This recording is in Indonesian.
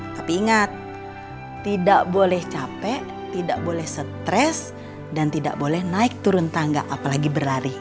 tapi ingat tidak boleh capek tidak boleh stres dan tidak boleh naik turun tangga apalagi berlari